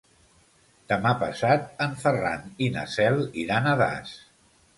Demà passat en Ferran i na Cel iran a Das.